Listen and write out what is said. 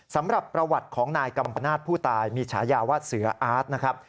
สำหรับประวัติของนายกัมปนาศผู้ตายมีฉายาว่าเสืออาร์ตนะครับ